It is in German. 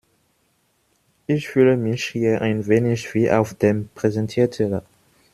Ich fühle mich hier ein wenig wie auf dem Präsentierteller.